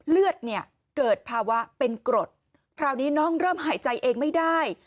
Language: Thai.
เลือดเนี่ยเกิดภาวะเป็นกรดคราวนี้น้องเริ่มหายใจเองไม่ได้